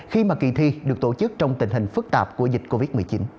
khi mà kỳ thi được tổ chức trong tình hình phức tạp của dịch covid một mươi chín